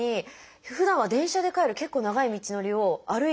ふだんは電車で帰る結構長い道のりを歩いて。